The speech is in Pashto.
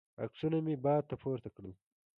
عکسونه مې بادل ته پورته کړل.